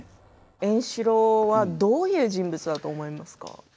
円四郎はどういう人物だと思いますか？